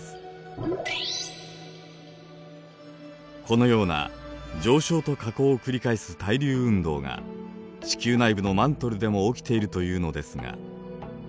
このような上昇と下降を繰り返す対流運動が地球内部のマントルでも起きているというのですが。